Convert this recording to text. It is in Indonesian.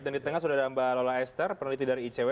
dan di tengah sudah ada mbak lola ester peneliti dari icw